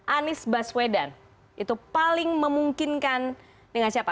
anies baswedan itu paling memungkinkan dengan siapa